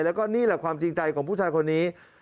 แล้วก็นี่แหละความจริงใจของผู้ชายคนนี้